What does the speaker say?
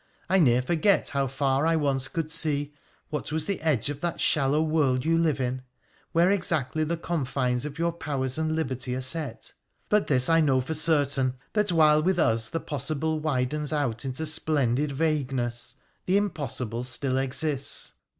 I near forget how far I once could see — what was the edge of that shallow world you live in — where exactly the confines of your powers and liberty are set. But this I know for certain, that, while with us the possible widens out into splendid vagueness, the impossible still exists.'